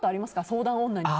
相談女に。